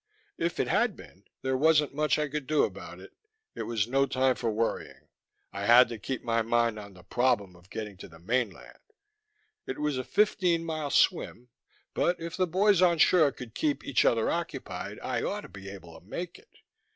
If it had been, there wasn't much I could do about it. It was no time for worrying. I had to keep my mind on the problem of getting to the mainland. It was a fifteen mile swim, but if the boys on shore could keep each other occupied, I ought to be able to make it.